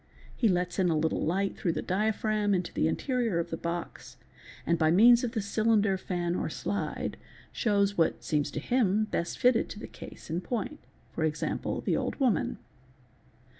He lets a little light through the diaphragm into the interior of the box and, by means of the cylinder, fan, or slide, shows what seems to him best fitted to the case in point (for example, the old woman).